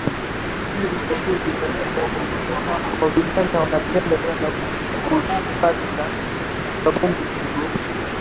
Wavijana wanapenda sana kufata kabumbu siku izi